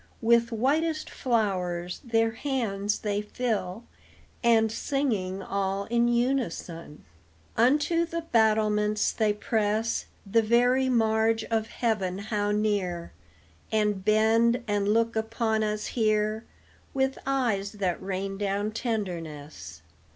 With whitest flowers their hands they fill; And, singing all in unison, Unto the battlements they press The very marge of heaven how near! And bend, and look upon us here With eyes that rain down tenderness.